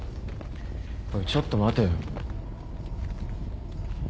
おいちょっと待てよ。